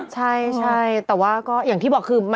ใช่แต่ว่าก็อย่างที่บอกคือ